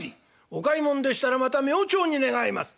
お買いもんでしたらまた明朝に願います。